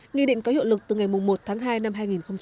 nghị định có hiệu lực từ ngày một tháng hai năm hai nghìn hai mươi